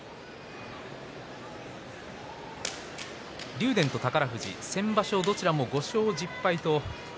竜電、宝富士、先場所どちらも５勝１０敗